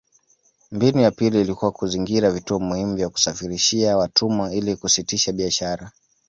Mbinu ya pili ilikuwa kuzingira vituo muhimu vya kusafirishia watumwa ili kusitisha biashara